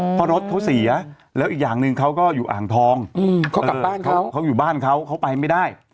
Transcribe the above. เพราะรถเขาเสียแล้วอีกอย่างหนึ่งเขาก็อยู่อ่างทองเขากลับบ้านเขาเขาอยู่บ้านเขาเขาไปไม่ได้